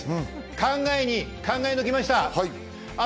考えに考え抜きました。